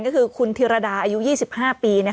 ก็คือคุณธิรดาอายุ๒๕ปี